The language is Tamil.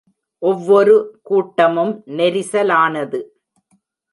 ஒவ்வொரு கூட்டமும் நெரிசலானது ...